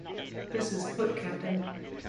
This put Cpt.